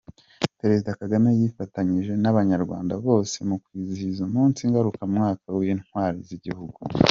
Perezida Kagame yifatanyije n’Abanyarwanda bose mu kwizihiza umunsi ngarukamwaka w’Intwari z’igihugu.